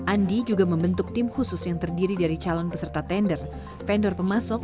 andi juga membentuk tim khusus yang terdiri dari calon peserta tender vendor pemasok